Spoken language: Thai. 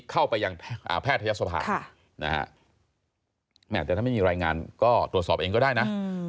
เข้าไปยังแพทยศภานะฮะแต่ถ้าไม่มีรายงานก็ตรวจสอบเองก็ได้นะ